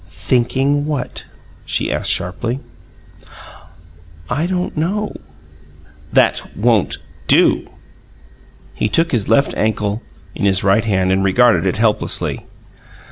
"Thinking what?" she asked sharply. "I don't know." "That won't do!" He took his left ankle in his right hand and regarded it helplessly.